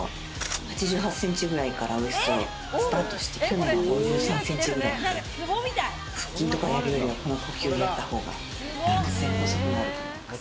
８８センチくらいからスタートして、去年は５３センチくらいまで腹筋とかやるより、この呼吸をやった方が断然細くなる。